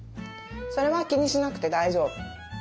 それは気にしなくて大丈夫。